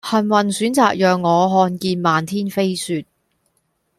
幸運選擇讓我看見漫天飛雪